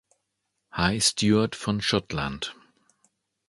High Stewart von Schottland.